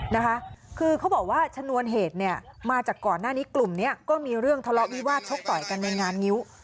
นะคะคือเขาบอกว่าชนวนเหตุเนี่ยมาจากก่อนหน้านี้กลุ่มนี้ก็มีเรื่องทะเลาะวิวาสชกต่อยกันในงานงิ้ว